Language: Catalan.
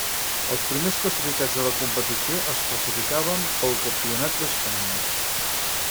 Els primers classificats de la competició es classificaven pel Campionat d'Espanya.